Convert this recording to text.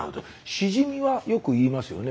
シジミはよく言いますよね。